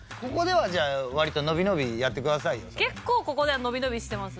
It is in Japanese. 結構ここでは伸び伸びしてます。